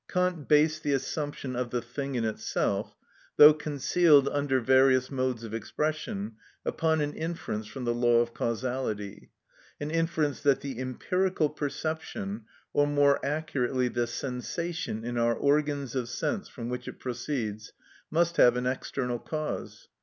Kant based the assumption of the thing in itself, though concealed under various modes of expression, upon an inference from the law of causality—an inference that the empirical perception, or more accurately the sensation, in our organs of sense, from which it proceeds, must have an external cause.